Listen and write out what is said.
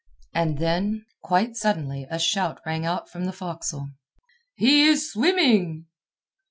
And then, quite suddenly a shout rang out from the forecastle. "He is swimming!"